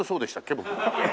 僕。